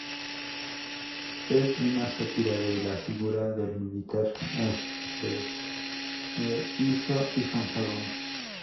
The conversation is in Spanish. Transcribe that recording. Es una sátira de la figura del militar advenedizo y fanfarrón.